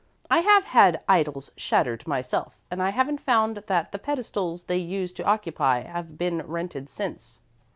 I have had idols shattered myself, and I haven't found that the pedestals they used to occupy have been rented since.